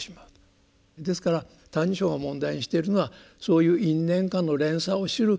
ですから「歎異抄」が問題にしているのはそういう「因」「縁」「果」の連鎖を知る